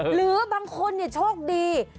หรือบางคนเนี่ยโชคดี